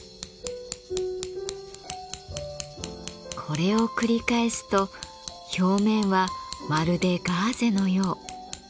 これを繰り返すと表面はまるでガーゼのよう。